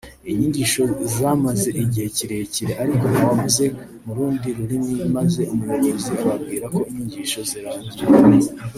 Inyigisho zamaze igihe kirekire ariko nta wavuze mu rundi rurimi maze umuyobozi ababwira ko inyigisho zirangiye